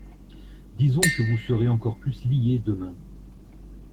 Disons que vous serez encore plus liée demain.